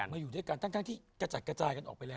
อยู่ด้วยกันทั้งที่กระจัดกระจายกันออกไปแล้ว